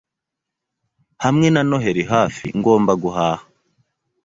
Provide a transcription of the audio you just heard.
Hamwe na Noheri hafi, ngomba guhaha.